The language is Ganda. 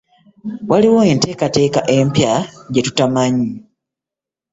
Waliwo enteekateeka empya gye tutamanyi.